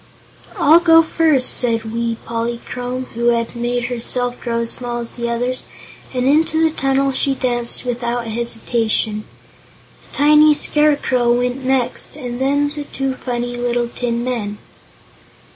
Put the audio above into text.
"I'll go first," said wee Polychrome, who had made herself grow as small as the others, and into the tunnel she danced without hesitation. A tiny Scarecrow went next and then the two funny little tin men.